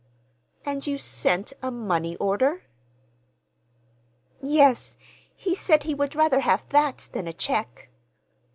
"And you sent—a money order?" "Yes. He said he would rather have that than a check."